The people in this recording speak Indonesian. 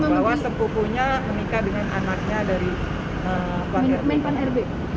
bahwa sepupunya menikah dengan anaknya dari pan r b